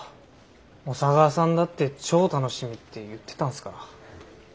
小佐川さんだって超楽しみって言ってたんすから。